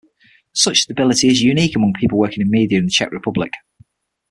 Such stability is unique among people working in media in the Czech Republic.